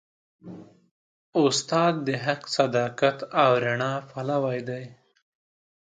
استاد د حق، صداقت او رڼا پلوي دی.